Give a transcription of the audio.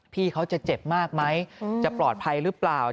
พี่เขาจะเจ็บมากไหมจะปลอดภัยหรือเปล่า